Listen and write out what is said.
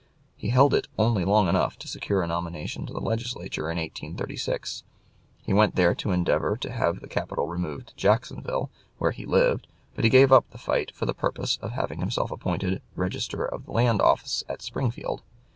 He held it only long enough to secure a nomination to the Legislature in 1836. He went there to endeavor to have the capital moved to Jacksonville, where he lived, but he gave up the fight for the purpose of having himself appointed Register of the Land Office at Springfield.